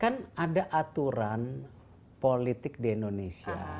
kan ada aturan politik di indonesia